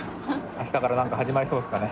あしたからなんか始まりそうっすかね？